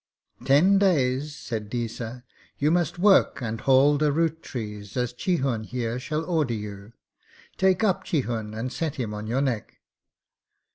'Ten days,' said Deesa, 'you must work and haul and root trees as Chihun here shall order you. Take up Chihun and set him on your neck!'